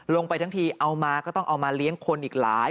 ลงไปทั้งทีเอามาก็ต้องเอามาเลี้ยงคนอีกหลาย